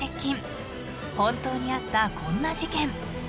［本当にあったこんな事件］